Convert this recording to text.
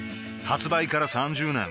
発売から３０年